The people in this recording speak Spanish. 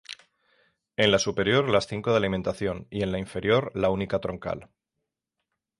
En la superior las cinco de alimentación y en la inferior, la única troncal.